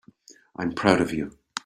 I'm proud of you.